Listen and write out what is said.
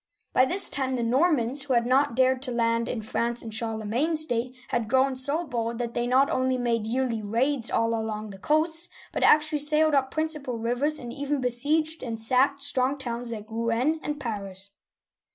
By this time the Normans — who had not dared to land in France in Charlemagne's day — had grown so bold that they not only made yearly raids all along the coasts, but actually sailed up the principal rivers and even besieged and sacked strong towns like Rouen (roo aN') and Paris.